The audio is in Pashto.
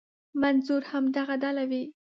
منظور همدغه ډله وي.